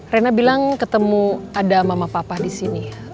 rena bilang ketemu ada mama papa disini